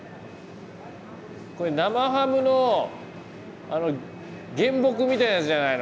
これ生ハムの原木みたいなやつじゃないの？